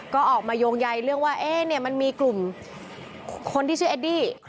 ก็ออกมาโยงใยเรื่องว่ามันมีกลุ่มคนที่ชื่อเอดดี้